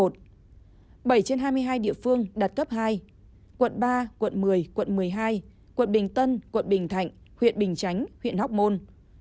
bảy trên hai mươi hai địa phương đạt cấp hai quận ba quận một mươi quận một mươi hai quận bình tân quận bình thạnh huyện bình chánh huyện hóc môn